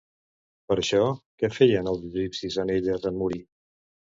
Per això, què feien els egipcis en elles en morir?